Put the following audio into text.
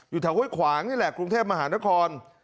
แถวห้วยขวางนี่แหละกรุงเทพมหานคร